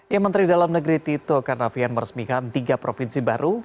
ya menteri dalam negeri tito karnavian meresmikan tiga provinsi baru